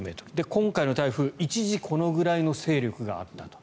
今回の台風、一時このぐらいの勢力があったと。